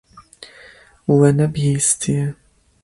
We nebihîstiye.